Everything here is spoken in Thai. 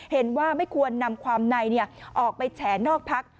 เห็นว่าไม่ควรนำความในออกไปแฉนอกพัก